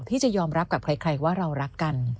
ที่จะยอมรับกับใครว่าเรารักกัน